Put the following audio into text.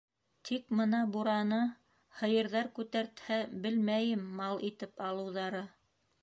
- Тик мына бураны... һыйырҙар күтәртһә, белмәйем, мал итеп алыуҙары...